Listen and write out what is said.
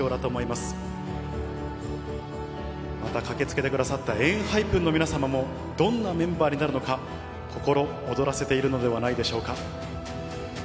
また駆けつけてくださったＥＮＨＹＰＥＮの皆様も、どんなメンバーになるのか、心躍らせているのではないでしょうか。